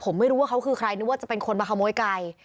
ผมไม่รู้ว่าเขาคือใครนึกว่าจะเป็นคนมาขโมยไก่